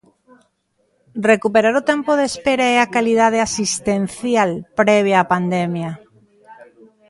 Recuperar o tempo de espera e a calidade asistencial previa á pandemia.